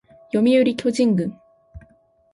読売巨人軍